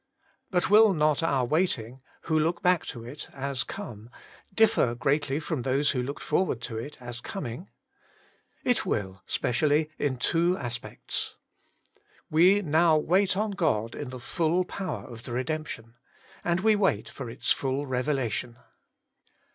But will not our waiting, who look back to it as come, differ greatly from those who looked forward to it as coming ? It will, specially in two aspects. We now wait on God in the full power of the redemption : and we wait for its full revelation.